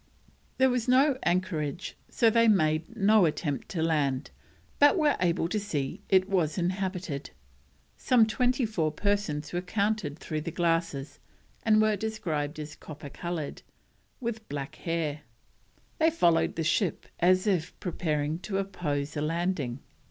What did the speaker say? There was no anchorage, so they made no attempt to land, but were able to see it was inhabited. Some twenty four persons were counted through the glasses, and were described as copper coloured, with black hair; they followed the ship as if prepared to oppose a landing.